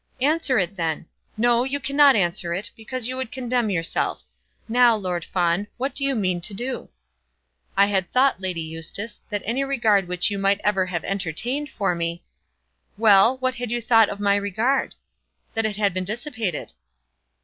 "Answer it then. No; you cannot answer it, because you would condemn yourself. Now, Lord Fawn, what do you mean to do?" "I had thought, Lady Eustace, that any regard which you might ever have entertained for me " "Well; what had you thought of my regard?" "That it had been dissipated."